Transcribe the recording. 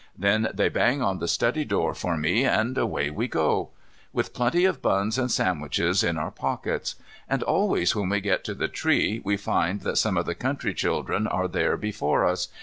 Then they bang on the study door for me and away we go, with plenty of buns and sandwiches in our pockets. And always when we get to the tree we find that some of the country children are there before us.